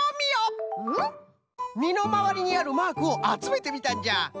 みのまわりにあるマークをあつめてみたんじゃ。